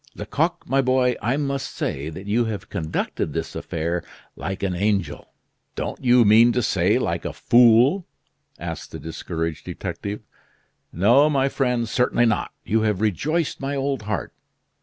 Lecoq, my boy, I must say that you have conducted this affair like an angel!" "Don't you mean to say like a fool?" asked the discouraged detective. "No, my friend, certainly not. You have rejoiced my old heart.